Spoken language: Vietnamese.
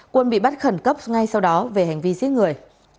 quân bị bắt khẩn cấp ngay sau đó về hành vi giết người